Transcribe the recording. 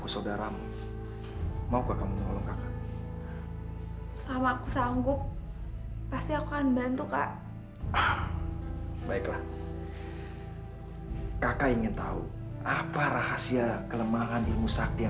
sampai jumpa di video selanjutnya